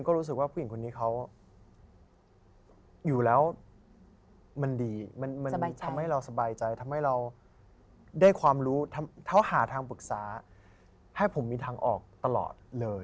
ก็รู้สึกว่าผู้หญิงคนนี้เขา